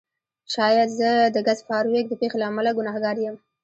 شاید زه د ګس فارویک د پیښې له امله ګناهګار یم